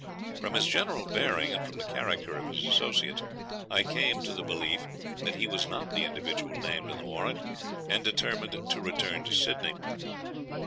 From his general bearing and from the character of his associates, I came to the belief that he was not the individual named in the warrant, and determined to return to Sydney.